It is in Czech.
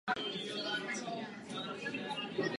Molekulární zobrazování je v tomto oboru zatím novinka.